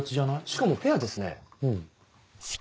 しかもペアですね。